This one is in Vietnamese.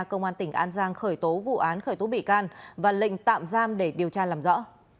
công an tỉnh an giang khởi tố vụ án khởi tố bị can và lệnh tạm giam để điều tra làm rõ